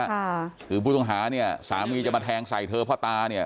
ค่ะคือผู้ต้องหาเนี่ยสามีจะมาแทงใส่เธอพ่อตาเนี่ย